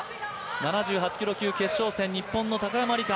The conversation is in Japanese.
７８キロ級決勝戦、日本の高山莉加